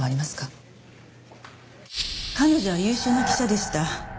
彼女は優秀な記者でした。